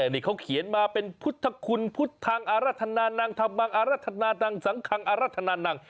นี่เขาเขียนมาเป็นพุทธคุณพุทธทางอรรถนานังธรรมังอารัฒนาดังสังคังอรัฒนานัง